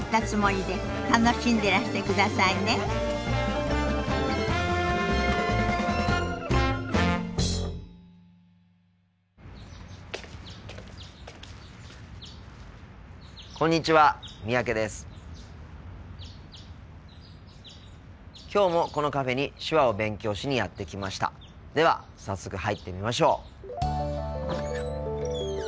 では早速入ってみましょう！